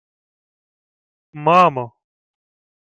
— Мамо...